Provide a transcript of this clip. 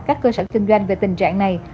các cơ sở kinh doanh về tình trạng này